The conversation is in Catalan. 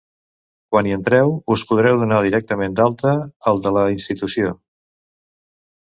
Quan hi entreu, us podreu donar directament d'alta al de la Institució.